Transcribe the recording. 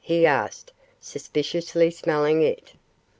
he asked, suspiciously smelling it.